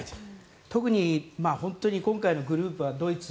特に今回のグループはドイツ